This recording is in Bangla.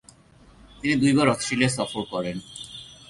তিনি দুইবার অস্ট্রেলিয়া সফর করেন।